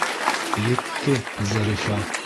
Етте, Зарифа!